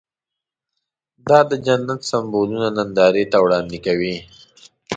دا د جنت سمبولونه نندارې ته وړاندې کوي.